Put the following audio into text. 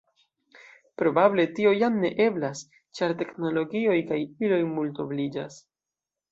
Probable tio jam ne eblas, ĉar teknologioj kaj iloj multobliĝas.